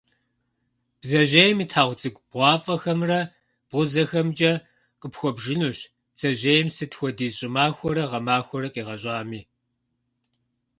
Бдзэжьейм и тхьэгъу цӏыкӏу бгъуафӏэхэмрэ, бгъузэхэмкӏэ къыпхуэбжынущ бдзэжьейм сыт хуэдиз щӏымахуэрэ гъэмахуэрэ къигъэщӏами.